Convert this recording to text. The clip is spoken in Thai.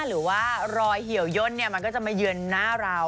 หรือว่ารอยเหี่ยวย่นมันก็จะมาเยือนหน้าเรา